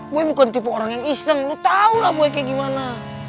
gue bukan tipe orang yang iseng lo tau lah gue kayak gimana